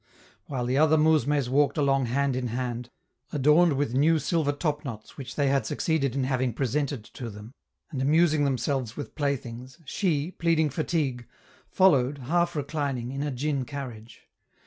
While the other mousmes walked along hand in hand, adorned with new silver topknots which they had succeeded in having presented to them, and amusing themselves with playthings, she, pleading fatigue, followed, half reclining, in a djin carriage.